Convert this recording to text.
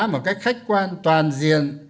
một cách khách quan toàn diện